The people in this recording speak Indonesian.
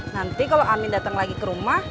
nanti kalau amin datang lagi ke rumah